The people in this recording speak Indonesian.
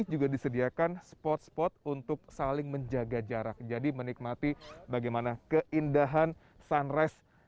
juga disediakan spot spot untuk saling menjaga jarak jadi menikmati bagaimana keindahan sunrise